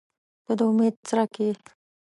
• ته د امید څرک یې.